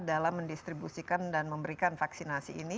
dalam mendistribusikan dan memberikan vaksinasi ini